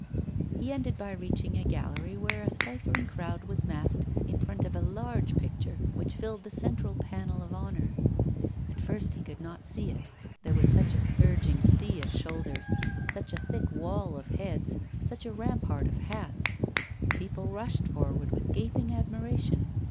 He ended by reaching a gallery where a stifling crowd was massed in front of a large picture which filled the central panel of honour. At first he could not see it, there was such a surging sea of shoulders, such a thick wall of heads, such a rampart of hats. People rushed forward with gaping admiration.